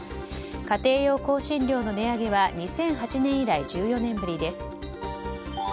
家庭用香辛料の値上げは２００８年以来１４年ぶりです。